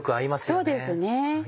そうですね。